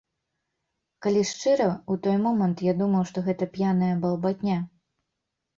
Калі шчыра, у той момант я думаў, што гэта п'яная балбатня.